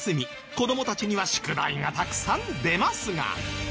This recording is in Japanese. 子どもたちには宿題がたくさん出ますが。